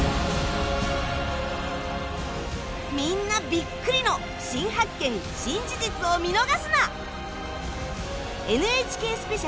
みんなビックリの新発見・新事実を見逃すな！